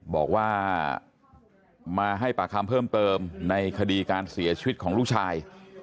บอกว่ามาให้ปากคำเพิ่มเติมในคดีการเสียชีวิตของลูกชาย